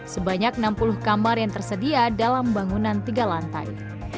sebanyak enam puluh kamar yang tersedia dalam bangunan tiga lantai